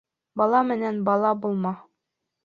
Бала менән бала булма.